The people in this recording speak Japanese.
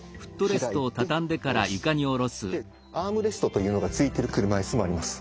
アームレストというのがついてる車いすもあります。